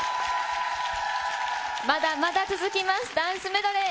まだまだ続きます、ダンスメドレー。